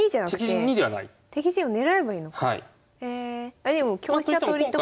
あでも香車取りとか。